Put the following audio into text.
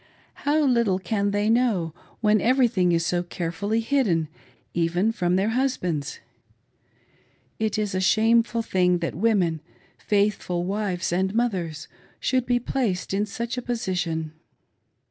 How little can they know, when everything is so carefully hidden, even from their husbands. It is a shameful thing that women — faithful wives and mothers — should be placed in such a position.